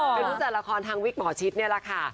เป็นผู้จัดละครทางวิกหมอชิดนี่แหละค่ะ